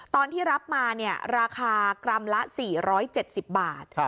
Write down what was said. ตอนที่รับมาราคากรัมละ๔๗๐บาท